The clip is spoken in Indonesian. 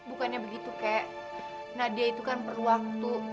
bukannya begitu kek nadia itu kan perlu waktu